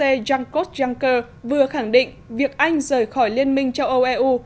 ông jankos jankos vừa khẳng định việc anh rời khỏi liên minh châu âu eu